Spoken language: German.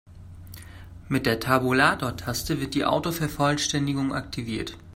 Mit der Tabulatortaste wird die Autovervollständigung aktiviert.